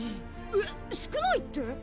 えっ少ないって？